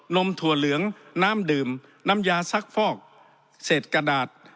มถั่วเหลืองน้ำดื่มน้ำยาซักฟอกเศษกระดาษ